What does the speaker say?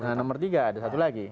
nah nomor tiga ada satu lagi